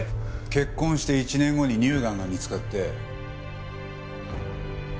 結婚して１年後に乳がんが見つかって。